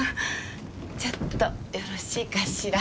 ちょっとよろしいかしら？